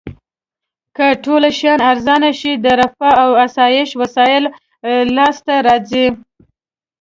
که ټول شیان ارزانه شي د رفاه او اسایش وسایل لاس ته راځي.